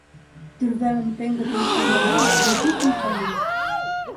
Тӱрвемым пеҥгыдын пурлынам да йӱкым ом лук.